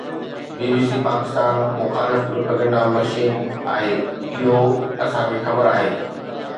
بي B C Pakistan مخالف propaganda machine آهي. اهو اسان کي خبر آهي